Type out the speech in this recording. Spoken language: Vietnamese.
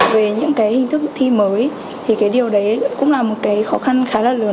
về những hình thức thi mới điều đấy cũng là một khó khăn khá là lớn